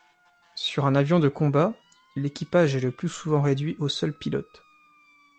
Sur un avion de combat l'équipage est le plus souvent réduit au seul pilote.